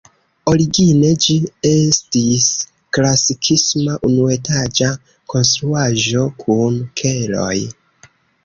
Origine ĝi estis klasikisma unuetaĝa konstruaĵo kun keloj.